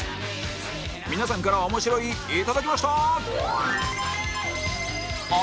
皆さんから面白いいただきました！